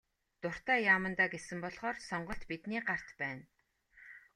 Дуртай яамандаа гэсэн болохоор сонголт бидний гарт байна.